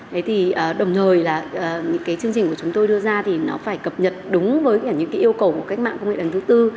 thế thì đồng thời là những cái chương trình của chúng tôi đưa ra thì nó phải cập nhật đúng với những cái yêu cầu của cách mạng công nghệ lần thứ tư